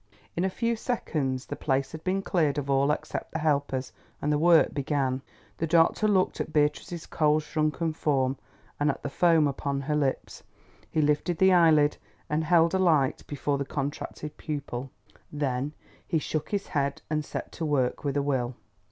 In a few seconds the place had been cleared of all except the helpers, and the work began. The doctor looked at Beatrice's cold shrunken form, and at the foam upon her lips. He lifted the eyelid, and held a light before the contracted pupil. Then he shook his head and set to work with a will.